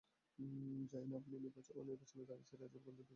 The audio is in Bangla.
জানেন আপনি, ও নির্বাচনে দাঁড়িয়েছে, রাজিব গান্ধীর বিপক্ষে।